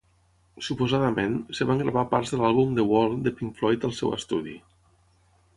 Suposadament, es van gravar parts de l'àlbum "The Wall" de Pink Floyd al seu estudi.